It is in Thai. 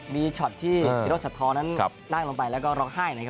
มีช็อตที่ศิโรชัดท้อนั้นนั่งลงไปแล้วก็ร้องไห้นะครับ